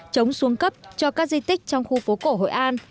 chống xuống cấp cho các di tích trong khu phố cổ hội an